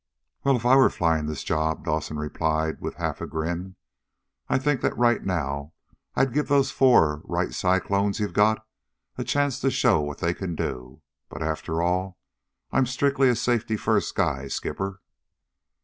"Well, if I were flying this job," Dawson replied with a half grin, "I think that right now I'd give those four Wright Cyclones you've got a chance to show what they can do. But, after all, I'm strictly a safety first guy, Skipper."